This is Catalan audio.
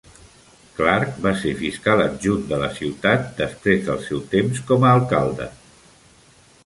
Clark va ser fiscal adjunt de la ciutat després del seu temps com a alcalde.